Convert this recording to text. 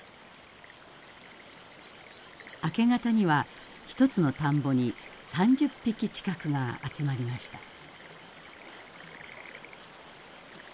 明け方には１つの田んぼに３０匹近くが集まりました。